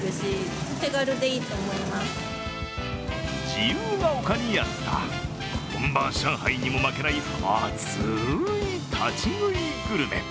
自由が丘にあった本場・上海にも負けない熱い、立ち食いグルメ。